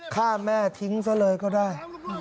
ฆ่าแม่ทิ้งซะเลยก็ได้